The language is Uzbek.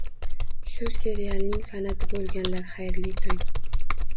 Shu serialning fanati bo'lganlar, xayrli tong!